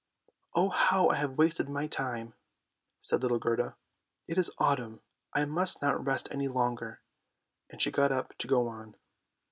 " Oh, how I have wasted my time," said little Gerda. " It is autumn. I must not rest any longer," and she got up to go on.